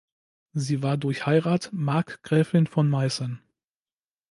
Sie war durch Heirat Markgräfin von Meißen.